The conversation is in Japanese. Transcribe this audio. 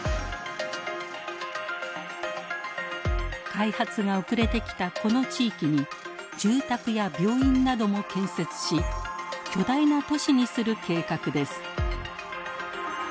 開発が遅れてきたこの地域に住宅や病院なども建設し巨大な都市にする計画です。